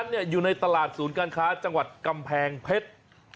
อยู่ในตลาดศูนย์การค้าจังหวัดกำแพงเพชร